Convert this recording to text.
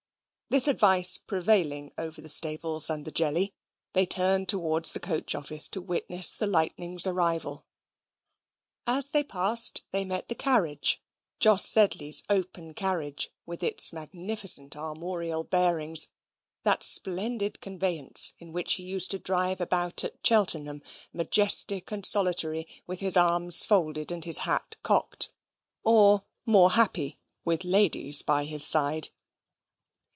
This advice prevailing over the stables and the jelly, they turned towards the coach office to witness the Lightning's arrival. As they passed, they met the carriage Jos Sedley's open carriage, with its magnificent armorial bearings that splendid conveyance in which he used to drive, about at Cheltenham, majestic and solitary, with his arms folded, and his hat cocked; or, more happy, with ladies by his side.